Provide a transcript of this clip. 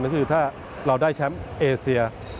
ก็คือถ้าเราได้แชมป์เอเซีย